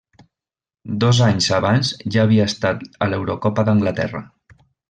Dos anys abans ja havia estat a l'Eurocopa d'Anglaterra.